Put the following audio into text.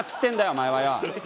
お前はよ。